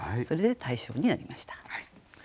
それで大賞になりました。